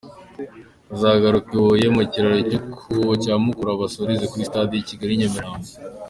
Bazahaguruka i Huye ku kiraro cya Mukura basoreze kuri stade ya Kigali i Nyamirambo.